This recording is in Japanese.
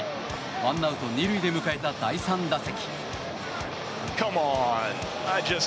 １アウト２塁で迎えた第３打席。